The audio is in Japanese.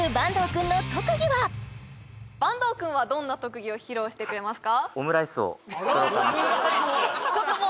残る坂東君はどんな特技を披露してくれますか？